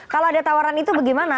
kalau ada tawaran itu bagaimana